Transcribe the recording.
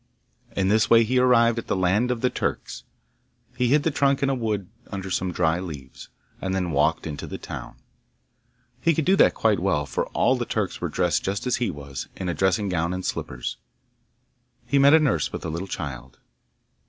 In this way he arrived at the land of the Turks. He hid the trunk in a wood under some dry leaves, and then walked into the town. He could do that quite well, for all the Turks were dressed just as he was in a dressing gown and slippers. He met a nurse with a little child.